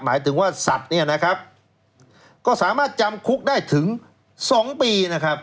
หมายถึงว่าสัตว์เนี่ยนะครับก็สามารถจำคุกได้ถึง๒ปีนะครับ